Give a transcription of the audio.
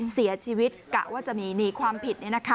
เสียชีวิตกะว่าจะมีหนีความผิด